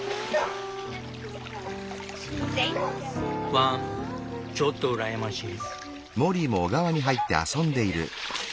「ワンちょっと羨ましい」。